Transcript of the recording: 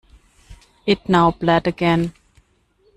It now bled again.